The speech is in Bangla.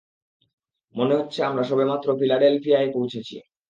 মনে হচ্ছে আমরা সবেমাত্র ফিলাডেলফিয়ায় পৌঁছেছি।